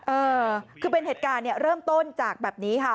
เออคือเป็นเหตุการณ์เนี่ยเริ่มต้นจากแบบนี้ค่ะ